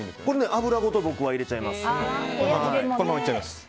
油ごと僕は入れちゃいます。